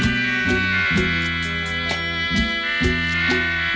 อินโทรเพลงที่๗มูลค่า๒๐๐๐๐๐บาทครับ